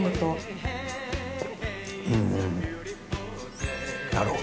うーんなるほど。